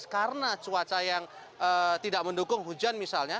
karena cuaca yang tidak mendukung hujan misalnya